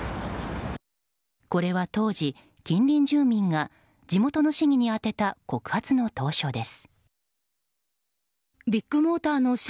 これは当時、近隣住民が地元の市議に宛てた告発の投書です。